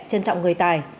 trân trọng người tài